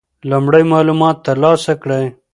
لومړی معلومات ترلاسه کړئ.